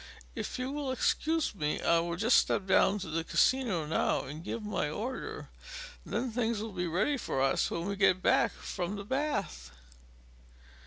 If you will excuse me, I will just step down to the Casino now and give my order; then things will be all ready for us when we get back from the bath."